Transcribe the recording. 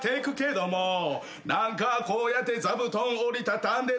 「何かこうやって座布団折り畳んで」